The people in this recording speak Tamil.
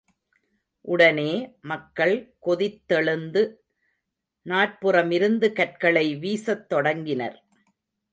உடனே மக்கள் கொதித்தெழுந்து நாற்புறமிருந்து கற்களை வீசத் தொடங்கினர்.